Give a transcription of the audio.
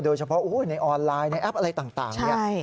โดยเฉพาะในออนไลน์ในแอปอะไรต่างเนี่ย